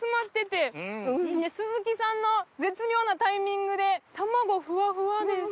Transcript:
で鈴木さんの絶妙なタイミングで卵ふわふわです。